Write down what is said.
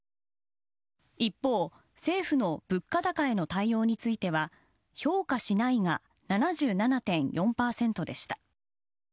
一方、政府の物価高への対応については評価しないが７７．４％でした。